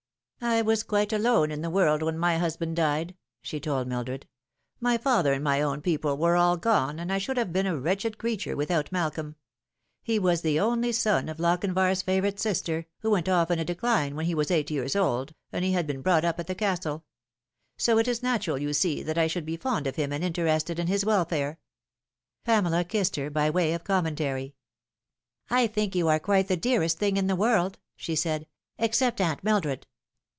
" I was quite alone in the world when my husband died," Bhe told Mildred. " My father and my own people were all gone, and I should have been a wretched creature without Malcolm. He was the only son of Lochinvar's favourite sister, who went off in a decline when he was eight years old, and he had been brought up at the Castle. So it is natural, you see, that I should be fond of him and interested in his welfare." Pamela kissed her, by way of commentary. " I think you are quite the dearest thing in the world," she said, " except Aunt Mildred."